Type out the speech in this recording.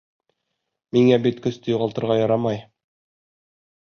Миңә бит көстө юғалтырға ярамай.